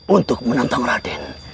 untuk menentang raden